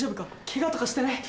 ケガとかしてない？